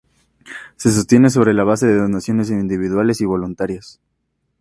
Se sostiene sobre la base de donaciones individuales y voluntarias.